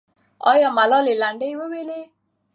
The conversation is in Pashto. آیا ملالۍ لنډۍ وویلې؟